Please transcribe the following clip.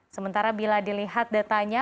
sementara bila dilihat datanya